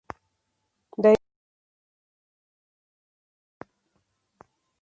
Daichi Fukushima